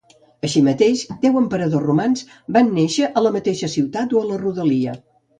Així mateix, deu emperadors romans van néixer a la mateixa ciutat o a la rodalia.